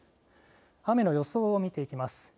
雨の予想を見ていきます。